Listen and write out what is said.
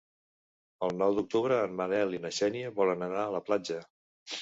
El nou d'octubre en Manel i na Xènia volen anar a la platja.